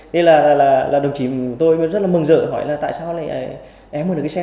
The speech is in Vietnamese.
nên là đồng chí tôi rất là mừng rỡ hỏi là tại sao em mượn được cái xe